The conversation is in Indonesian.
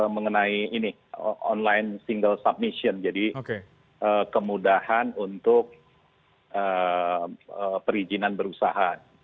mengenai ini online single submission jadi kemudahan untuk perizinan berusaha